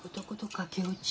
駆け落ち！？